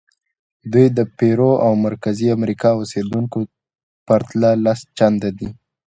دوی د پیرو او مرکزي امریکا اوسېدونکو په پرتله لس چنده دي.